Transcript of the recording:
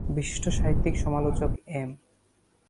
বিশিষ্ট সাহিত্য সমালোচক এম।